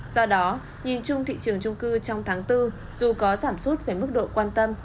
do đó nhìn chung thị trường trung cư trong tháng bốn dù có giảm sút về mức độ quan tâm